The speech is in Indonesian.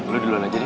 lo duluan aja deh